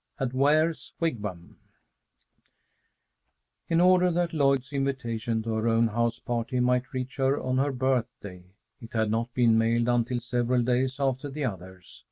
AT WARE'S WIGWAM In order that Lloyd's invitation to her own house party might reach her on her birthday, it had not been mailed until several days after the others.